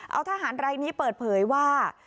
เอาทหารรายนี้เปิดเผยว่า